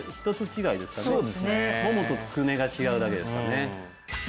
そうですねももとつくねが違うだけですかね